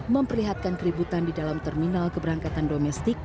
memperlihatkan keributan di dalam terminal keberangkatan domestik